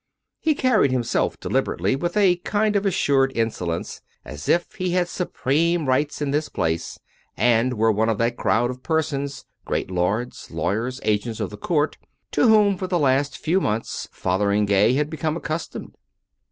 He carried himself deliberately, with a kind of assured insolence, as if he had supreme rights in this place, and were one of that crowd of persons COME BACK! COME ROPE! 841 — great lords, lawyers, agents of the court — to whom for the last few months Fotheringay had become accustomed.